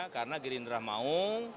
karena gerindra mau